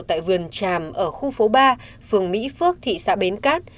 tại vườn tràm ở khu phố ba phường mỹ phước thị xã bến cát